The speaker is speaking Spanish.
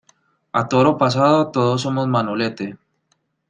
A toro pasado todos somos Manolete.